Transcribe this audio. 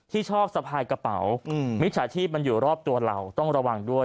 ที่ชอบสะพายกระเป๋ามิจฉาชีพมันอยู่รอบตัวเราต้องระวังด้วย